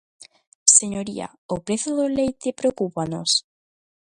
Señoría, ¿o prezo do leite preocúpanos?